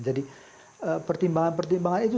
jadi pertimbangan pertimbangan itu